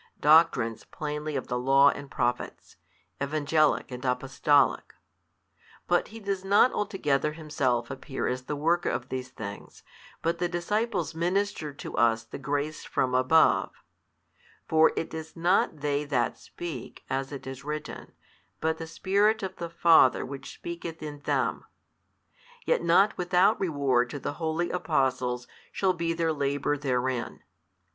doctrines plainly of the Law and Prophets, Evangelic and Apostolic. But He does not altogether Himself appear as the Worker of these things, |332 but the disciples minister to us the grace from above (for it is not they that speak, as it is written, but the Spirit of the Father which speaketh in them) yet not without reward to the holy Apostles shall be their labour therein.